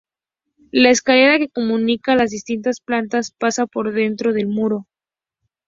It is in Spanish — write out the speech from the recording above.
La escalera que comunica las distintas plantas pasa por dentro del muro.